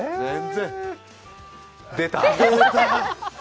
出た！